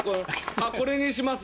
あっこれにします